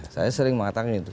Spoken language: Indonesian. saya sering mengatakan itu